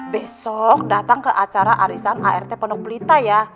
besok datang ke acara arisan art pondok pelita ya